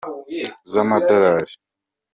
z’amadolari